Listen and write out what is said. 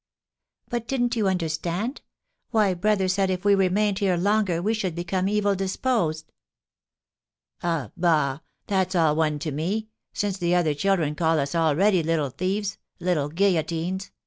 "But didn't you understand? Why, brother said that if we remained here longer we should become evil disposed." "Ah! bah! That's all one to me, since the other children call us already little thieves, little guillotines!